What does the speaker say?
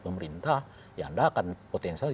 pemerintah ya anda akan potensial